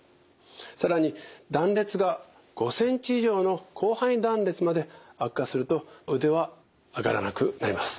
更に断裂が５ｃｍ以上の広範囲断裂まで悪化すると腕は上がらなくなります。